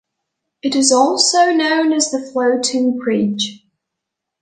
It is also known as the floating bridge.